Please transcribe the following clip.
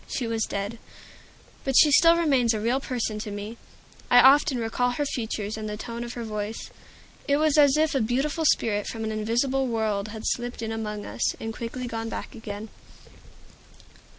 She was dead. But she still remains a real person to me; I often recall her features and the tone of her voice. It was as if a beautiful spirit from an invisible world had slipped in among us, and quickly gone back again.